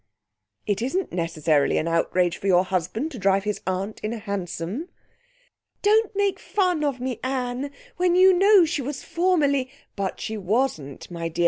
"It isn't necessarily an outrage for your husband to drive his aunt in a hansom." "Don't make fun of me, Anne, when you know she was formerly " "But she wasn't, my dear.